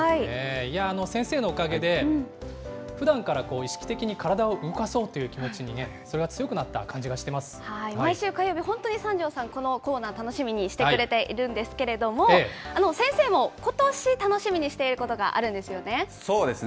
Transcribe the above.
いや、先生のおかげで、ふだんから意識的に体を動かそうという気持ちに、それが強くなった感じが毎週火曜日、本当に三條さん、このコーナー、楽しみにしてくれているんですけれども、先生もことし楽しみにしていることがあるんですよね。